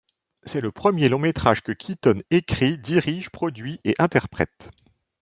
C'est le premier long métrage que Keaton écrit, dirige, produit et interprète.